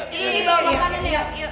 bawa makanan buat gue aja